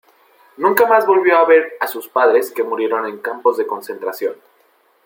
Nunca más volvió a ver a sus padres que murieron en campos de concentración.